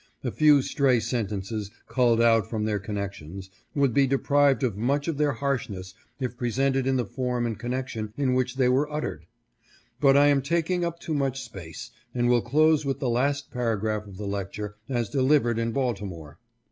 A few stray sen tences, culled out from their connections, would be deprived of much of their harshness if presented in the form and connection in which they were uttered ; but I am taking up too much space, and will close with the last paragraph of the lecture, as delivered in Baltimore.